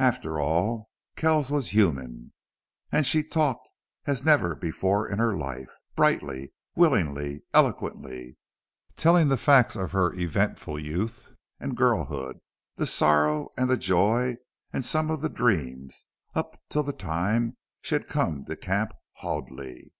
After all, Kells was human. And she talked as never before in her life, brightly, willingly, eloquently, telling the facts of her eventful youth and girlhood the sorrow and the joy and some of the dreams up to the time she had come to Camp Hoadley.